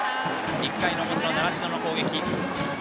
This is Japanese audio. １回の表、習志野の攻撃。